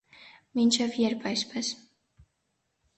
Մինչև ե՞րբ այսպես: